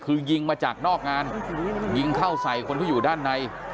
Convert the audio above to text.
คือยิงมาจากนอกงานยิงเข้าใส่คนที่อยู่ด้านใน